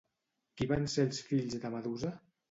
Qui van ser els fills de Medusa?